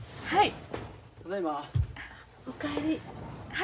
はい。